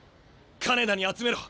金田に集めろ。